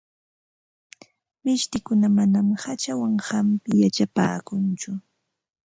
Mishtikuna manam hachawan hampita yachapaakunchu.